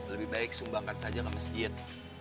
lebih baik sumbangkan saja ke masjid